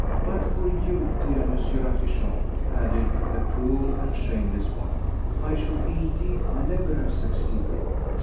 But for you, dear M. Ratichon," added the cruel and shameless one, "I should indeed never have succeeded."